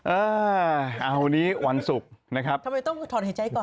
เออเอานี้วันศุกร์นะครับทำไมต้องถอนหายใจก่อน